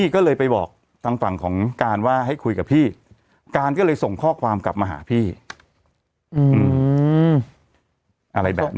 ก็เอามาเป็นคำพูดอะไรอย่างนี้อยากฟังไหมล่ะ